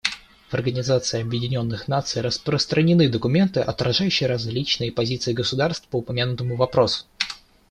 В Организации Объединенных Наций распространены документы, отражающие различные позиции государств по упомянутому вопросу.